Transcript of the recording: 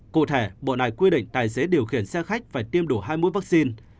cụ thể bộ này quy định tài xế điều khiển xe khách phải tiêm đủ hai mươi vaccine